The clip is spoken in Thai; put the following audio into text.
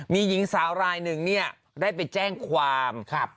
มีหญิงสาวรายหนึ่งเนี่ยได้ไปแจ้งความ